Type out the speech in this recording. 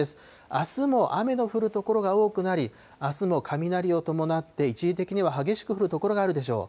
あすも雨の降る所が多くなり、あすも雷を伴って、一時的には激しく降る所があるでしょう。